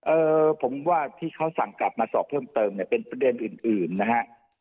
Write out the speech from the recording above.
เอ่อผมว่าที่เขาสั่งกลับมาสอบเพิ่มเติมเนี่ยเป็นประเด็นอื่นอื่นนะฮะ